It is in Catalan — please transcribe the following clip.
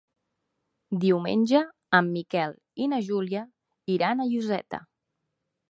Diumenge en Miquel i na Júlia iran a Lloseta.